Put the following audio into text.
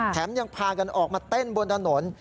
แถมยังผ่าการออกมาเต้นบนถนน